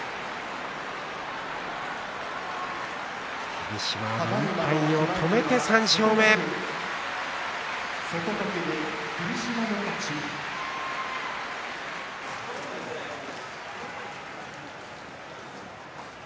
霧島、連敗を止めて３勝目です。